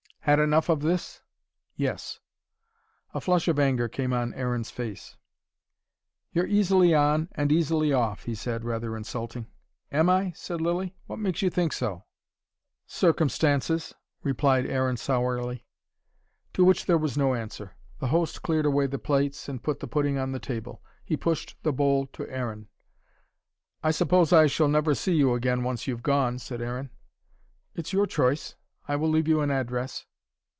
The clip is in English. "Had enough of this?" "Yes." A flush of anger came on Aaron's face. "You're easily on, and easily off," he said, rather insulting. "Am I?" said Lilly. "What makes you think so?" "Circumstances," replied Aaron sourly. To which there was no answer. The host cleared away the plates, and put the pudding on the table. He pushed the bowl to Aaron. "I suppose I shall never see you again, once you've gone," said Aaron. "It's your choice. I will leave you an address."